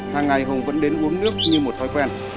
hàng ngày hồng vẫn đến uống nước như một thói quen